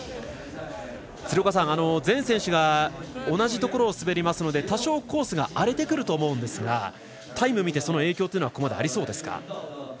全選手が同じところを滑りますので多少、コースが荒れてくると思うんですがタイムを見て、その影響はここまで、ありそうですか？